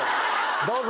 どうぞ。